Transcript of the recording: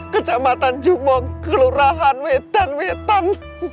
kecamatan jumong kelurahan wetan wetan